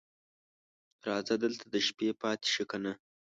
راځه دلته د شپې پاتې شه کنه